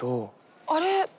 あれ？